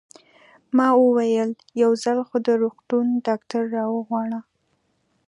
ما وویل: یو ځل خو د روغتون ډاکټر را وغواړه.